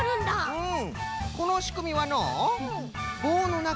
うん？